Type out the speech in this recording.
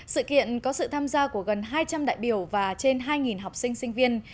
sự kiện có sự tham gia của gần hai trăm linh đại biểu và trên hai học sinh sinh viên